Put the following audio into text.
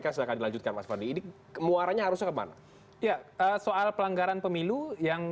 silahkan dilanjutkan mas fadli ini muaranya harusnya kemana ya soal pelanggaran pemilu yang